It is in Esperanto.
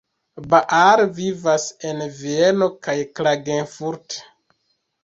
Baar vivas en Vieno kaj Klagenfurt.